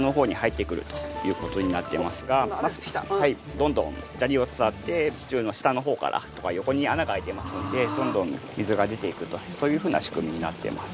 どんどん砂利を伝って地中の下の方からとか横に穴が開いてますのでどんどん水が出ていくとそういうふうな仕組みになっています。